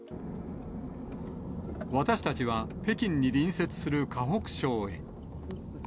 私たちは北京に隣接する河北省へ。